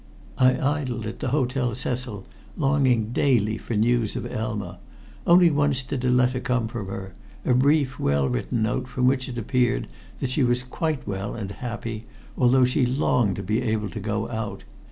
I idled at the Hotel Cecil longing daily for news of Elma. Only once did a letter come from her, a brief, well written note from which it appeared that she was quite well and happy, although she longed to be able to go out.